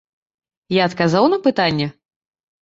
Я адказаў на пытанне?